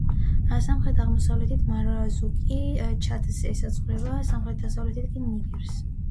სამხრეთ-აღმოსავლეთით მარზუკი ჩადს ესაზღვრება, სამხრეთ-დასავლეთით კი ნიგერს.